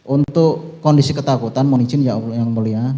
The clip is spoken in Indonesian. untuk kondisi ketakutan mohon izin ya allah yang mulia